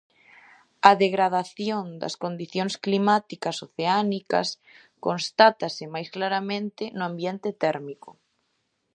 A degradación das condicións climáticas oceánicas constátase máis claramente no ambiente térmico.